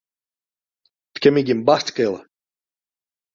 It kin my gjin barst skele.